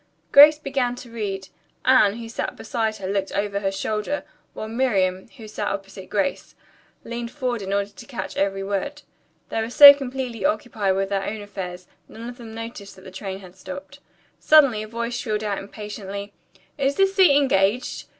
Grace began to read. Anne, who sat beside her, looked over her shoulder, while Miriam, who sat opposite Grace, leaned forward in order to catch every word. They were so completely occupied with their own affairs, none of them noticed that the train had stopped. Suddenly a voice shrilled out impatiently, "Is this seat engaged?"